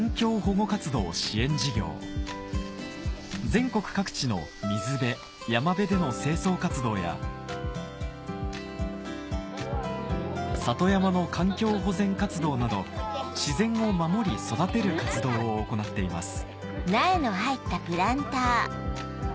全国各地の水辺山辺での清掃活動や里山の環境保全活動など自然を守り育てる活動を行っています